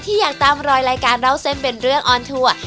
อยากตามรอยรายการเล่าเส้นเป็นเรื่องออนทัวร์